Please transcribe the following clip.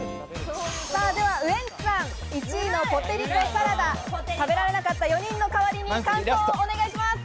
ウエンツさん、１位のポテりこサラダ、食べられなかった４人の代わりに感想をお願いします。